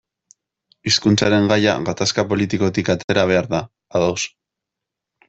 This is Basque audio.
Hizkuntzaren gaia gatazka politikotik atera behar da, ados.